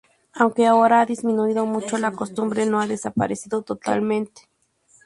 Aunque ahora ha disminuido mucho, la costumbre no ha desaparecido totalmente.